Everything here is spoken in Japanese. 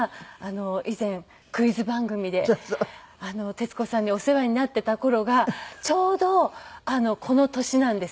徹子さんにお世話になっていた頃がちょうどこの年なんです。